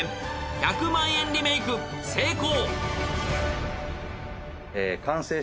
１００万円リメイク成功！